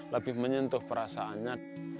lebih menyentuh perasaannya